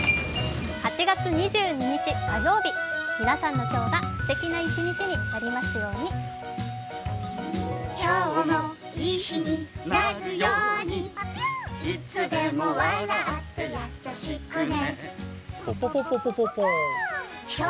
８月２２日火曜日、皆さんの今日がすてきな一日になりますように今朝はゆずきさんでしたね。